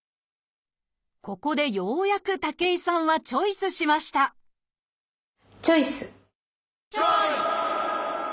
ここでようやく武井さんはチョイスしましたチョイス！